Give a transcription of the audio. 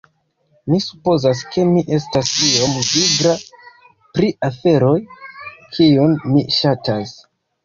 ... mi supozas ke mi estas iom vigla pri aferoj, kiujn mi ŝatas.